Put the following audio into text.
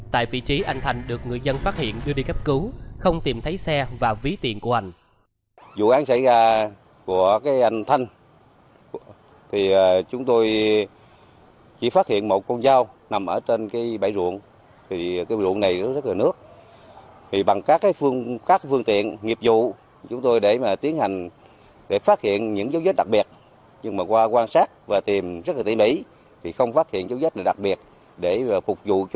tại vị trí anh thanh được người dân phát hiện đưa đi cấp cứu không tìm thấy xe và ví tiện của anh